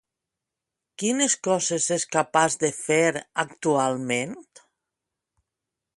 Quines coses és capaç de fer actualment?